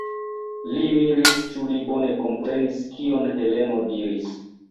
Li miris, ĉu li bone komprenis, kion Heleno diris.